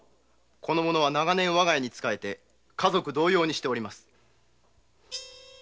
この者は長年我が家に仕えて家族同様にしております。